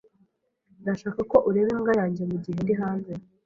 Ndashaka ko ureba imbwa yanjye mugihe ndi hanze.